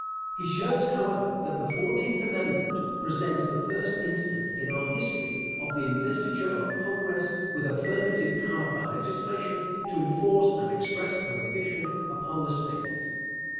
He shows, however, that the Fourteenth Amendment presents the first instance in our history of the investiture of Congress with affirmative power by legislation to enforce an express prohibition upon the States.